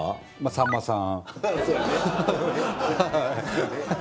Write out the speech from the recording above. さんまさん。